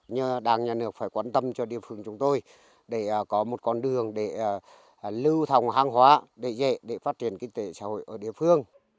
nhưng đảng nhà nước phải quan tâm cho địa phương chúng tôi để có một con đường để lưu thông hàng hóa để dễ để phát triển kinh tế xã hội ở địa phương